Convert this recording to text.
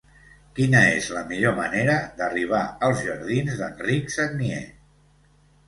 Quina és la millor manera d'arribar als jardins d'Enric Sagnier?